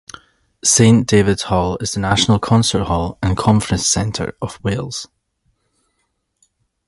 Saint David's Hall is the National Concert Hall and Conference Centre of Wales.